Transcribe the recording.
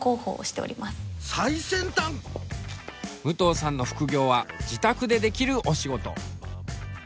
武藤さんの副業は自宅でできるお仕事。